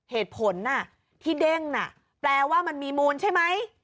เหตุผลที่เด้งน่ะแปลว่ามันมีมูลใช่ไหม